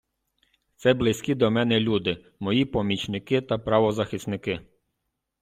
Це близькі до мене люди, мої помічники та правозахисники.